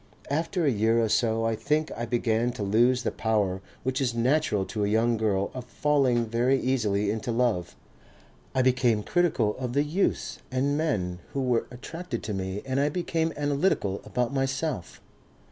After a year or so I think I began to lose the power which is natural to a young girl of falling very easily into love. I became critical of the youths and men who were attracted to me and I became analytical about myself....